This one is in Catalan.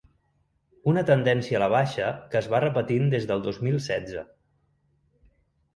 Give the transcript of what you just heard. Una tendència a la baixa que es va repetint des del dos mil setze.